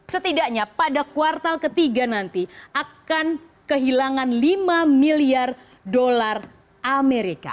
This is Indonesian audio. setidaknya pada kuartal ketiga nanti akan kehilangan lima miliar dolar amerika